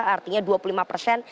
artinya dua puluh lima persen